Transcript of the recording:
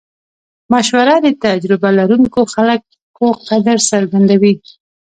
مشوره د تجربه لرونکو خلکو قدر څرګندوي.